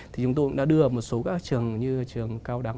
thì chúng tôi đã đưa một số các trường như trường cao đẳng